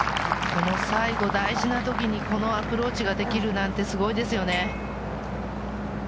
最後、大事な時にこのアプローチができるなんてすごいですよね。